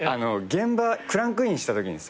現場クランクインしたときにさ